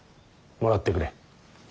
もらってくれ。